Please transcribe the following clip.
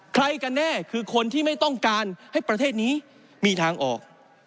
กันแน่คือคนที่ไม่ต้องการให้ประเทศนี้มีทางออก